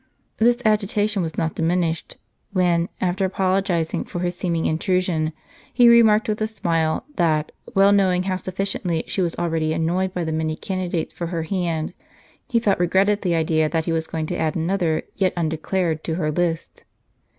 This agitation was not diminished, when, after apologizing for his seeming intrusion, he remarked with a smile, that, well knowing how sufiiciently she was already annoyed by the many candidates for her hand, he felt regret at the idea that he was going to add another, yet undeclared, w to her list.